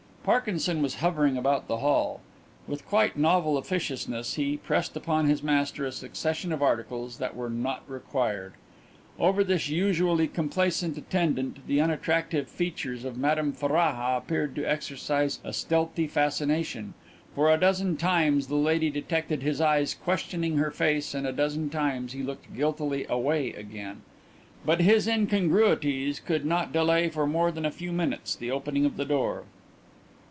Parkinson was hovering about the hall. With quite novel officiousness he pressed upon his master a succession of articles that were not required. Over this usually complacent attendant the unattractive features of Madame Ferraja appeared to exercise a stealthy fascination, for a dozen times the lady detected his eyes questioning her face and a dozen times he looked guiltily away again. But his incongruities could not delay for more than a few minutes the opening of the door.